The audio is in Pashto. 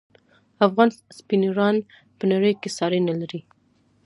افغان سپینران په نړۍ کې ساری نلري.